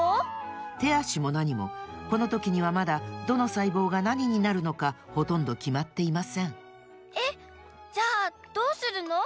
てあしもなにもこのときにはまだどのさいぼうがなにになるのかほとんどきまっていませんえっじゃあどうするの？